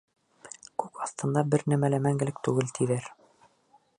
— Күк аҫтында бер нәмә лә мәңгелек түгел, тиҙәр.